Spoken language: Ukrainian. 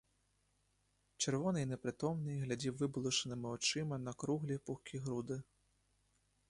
Червоний і непритомний, глядів вибалушеними очима на круглі пухкі груди.